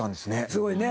すごいね。